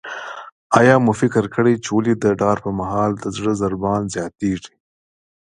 آیا مو فکر کړی چې ولې د ډار پر مهال د زړه ضربان زیاتیږي؟